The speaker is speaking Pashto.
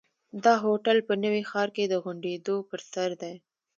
دا هوټل په نوي ښار کې د غونډیو پر سر دی.